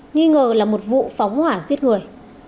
nghi ngờ là một vụ phóng hỏa giết người